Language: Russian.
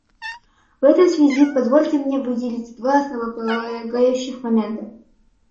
В этой связи позвольте мне выделить два основополагающих момента.